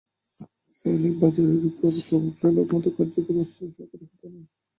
ফলে বাজারের ওপর প্রভাব ফেলার মতো কার্যকর অস্ত্র সরকারের হাতে নেই।